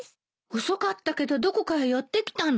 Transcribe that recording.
遅かったけどどこかへ寄ってきたの？